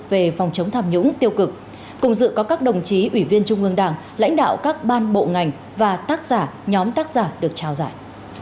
về phòng chống tham nhũng tiêu cực cùng dự có các đồng chí ủy viên trung ương đảng lãnh đạo các ban bộ ngành và tác giả nhóm tác giả được trao giải